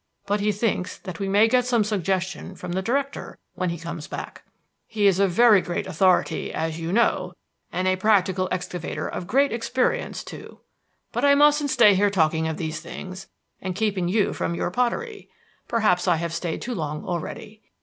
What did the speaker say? But he thinks that we may get some suggestion from the Director when he comes back. He is a very great authority, as you know, and a practical excavator of great experience too. But I mustn't stay here talking of these things, and keeping you from your pottery. Perhaps I have stayed too long already.